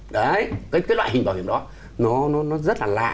đấy cái loại hình bảo hiểm đó nó rất là lạ